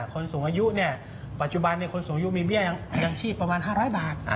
คนสูงอายุเนี่ยปัจจุบันคนสูงอายุมีเบี้ยยังชีพประมาณ๕๐๐บาท